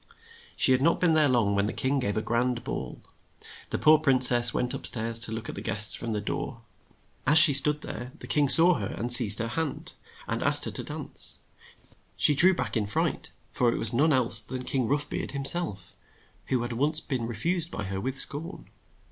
She had not been there long when the king gave a grand ball. The poor prin cess went up stairs to look at the guests from the door. As she stood there, the king saw her, and seized her hand, and asked her to dance She drew back in a fright, for it was none else than King Rough Beard him self, who had once been re fused by her with scorn.